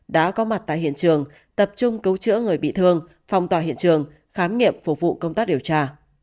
đã có mặt tại hiện trường tập trung cứu chữa người bị thương phong tỏa hiện trường khám nghiệm phục vụ công tác điều tra